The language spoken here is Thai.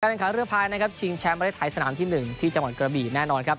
การแห่งขันเรื้อพลายนะครับชิงแชมป์มาได้ถ่ายสนามที่หนึ่งที่จังหวัดกระบีแน่นอนครับ